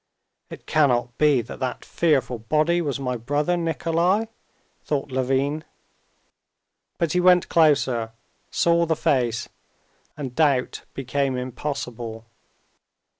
"It cannot be that that fearful body was my brother Nikolay?" thought Levin. But he went closer, saw the face, and doubt became impossible.